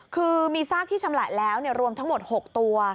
คือมีซากที่ชำแหละแล้วรวมทั้งหมด๖ตัว